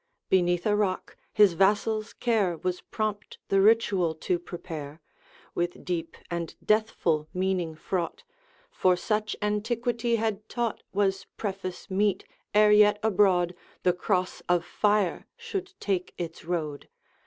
Beneath a rock, his vassals' care Was prompt the ritual to prepare, With deep and deathful meaning fraught; For such Antiquity had taught Was preface meet, ere yet abroad The Cross of Fire should take its road.